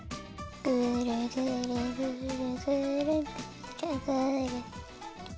ぐるぐるぐるぐるぐるぐる。